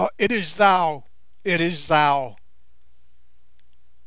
it is thou, it is thou!"